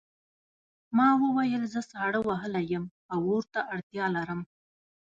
ما وویل زه ساړه وهلی یم او اور ته اړتیا لرم